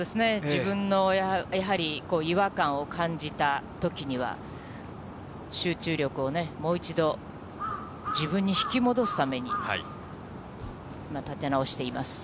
自分のやはり違和感を感じたときには、集中力をね、もう一度、自分に引き戻すために、立て直しています。